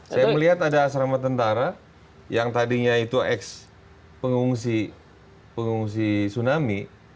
saya melihat ada asrama tentara yang tadinya itu ex pengungsi tsunami